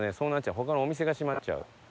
他のお店が閉まっちゃう。